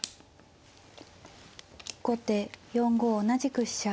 後手４五同じく飛車。